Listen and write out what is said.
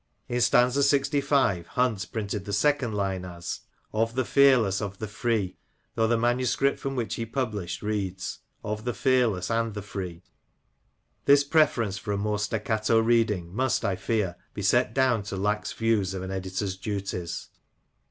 In stanza Ixv., Hunt printed the second line as " Of the fearless, of the free," though the manuscript from which he published reads, *' Of the fearless and the free." This preference for a more staccato reading must, I fear, be set down to lax views of an editor's duties.